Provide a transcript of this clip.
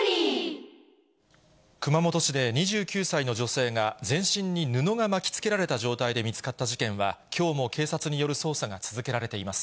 熊本市で２９歳の女性が、全身に布が巻きつけられた状態で見つかった事件は、きょうも警察による捜査が続けられています。